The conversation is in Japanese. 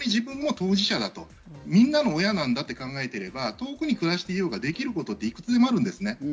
本当に自分が当事者だと、みんなの親なんだと考えていれば、遠くに暮らしていようが、できることっていくつでもあります。